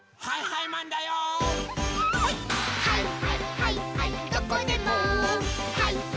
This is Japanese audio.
はい！